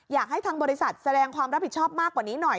อยากให้ทางบริษัทแสดงความรับผิดชอบมากกว่านี้หน่อย